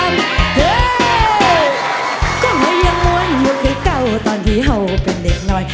ก็หัวยังมุ้นอยู่ที่เก่าตอนที่เหา๊เป็นเด็กหน่อย